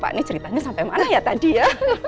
pak ini ceritanya sampai mana ya tadi ya